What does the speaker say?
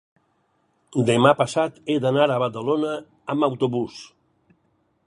demà passat he d'anar a Badalona amb autobús.